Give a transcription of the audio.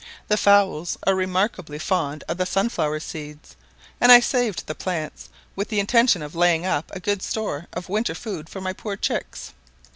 The fowls are remarkably fond of the sunflower seeds, and I saved the plants with the intention of laying up a good store of winter food for my poor chicks.